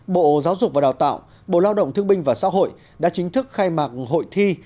bộ giáo dục và đào tạo bộ lao động thương binh và xã hội đã chính thức khai mạc hội thi